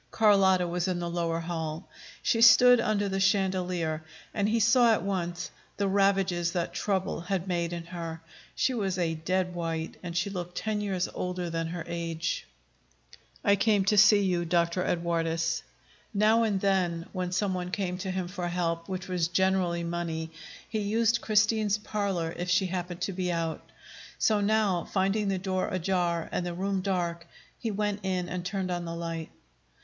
Carlotta was in the lower hall. She stood under the chandelier, and he saw at once the ravages that trouble had made in her. She was a dead white, and she looked ten years older than her age. "I came, you see, Dr. Edwardes." Now and then, when some one came to him for help, which was generally money, he used Christine's parlor, if she happened to be out. So now, finding the door ajar, and the room dark, he went in and turned on the light.